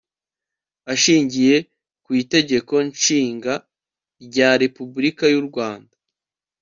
ashingiye ku itegeko nshinga rya repubulika y'u rwanda